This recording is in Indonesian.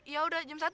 ya udah jam satu ya